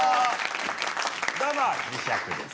どうも磁石です。